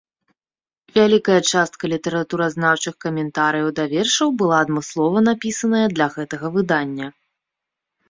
Вялікая частка літаратуразнаўчых каментарыяў да вершаў была адмыслова напісаная для гэтага выдання.